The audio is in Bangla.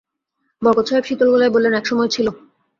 বরকত সাহেব শীতল গলায় বললেন, এক সময় ছিল।